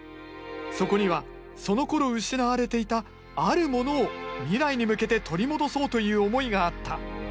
そこにはそのころ失われていたあるものを未来に向けて取り戻そうという思いがあった。